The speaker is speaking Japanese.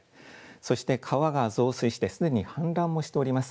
そして川が増水してすでに氾濫もしております。